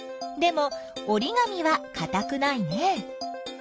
でもおりがみはかたくないね。